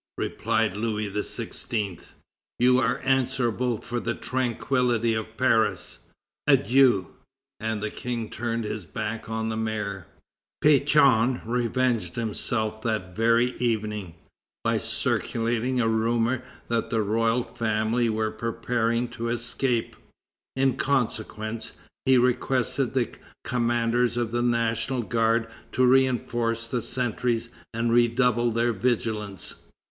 replied Louis XVI.; "You are answerable for the tranquillity of Paris. Adieu!" And the King turned his back on the mayor. Pétion revenged himself that very evening, by circulating a rumor that the royal family were preparing to escape; in consequence, he requested the commanders of the National Guard to re enforce the sentries and redouble their vigilance.